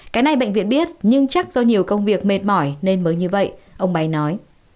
cái này bệnh viện biết nhưng chắc do nhiều công việc mệt mỏi nên mới như vậy ông bay nói